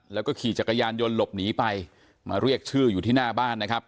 แล้วก็ขี่จักรยานยนต์หลบหนีไปมาเรียกชื่ออยู่ที่หน้าบ้านนะครับ